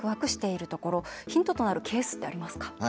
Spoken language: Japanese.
ヒントとなるケースってありますか？